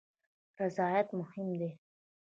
رضایت مهم دی